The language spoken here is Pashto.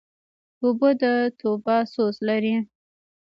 اوبه د توبه سوز لري.